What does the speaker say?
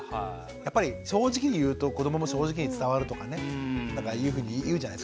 やっぱり正直に言うと子どもも正直に伝わるとかねいうふうにいうじゃないですか。ね？